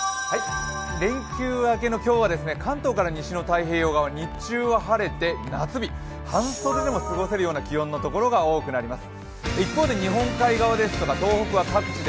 連休明けの今日は、関東から西の太平洋側、日中は晴れて夏日、半袖でも過ごせるような気温のところが多くなります。